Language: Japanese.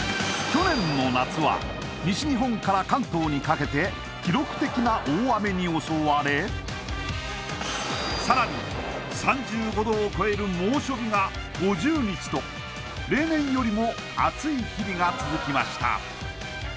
去年の夏は西日本から関東にかけて記録的な大雨に襲われさらに３５度を超える猛暑日が５０日と例年よりも暑い日々が続きました